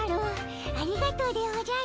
ありがとうでおじゃる。